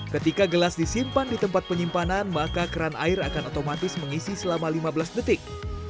ketika gelas disimpan di tempat penyimpanan maka keran air akan otomatis mengisi selama lima belas detik